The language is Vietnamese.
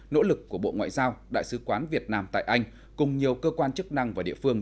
nỗ lực của bộ ngoại giao đại sứ quán việt nam tại anh cùng nhiều cơ quan chức năng và địa phương